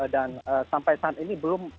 dan sampai saat ini belum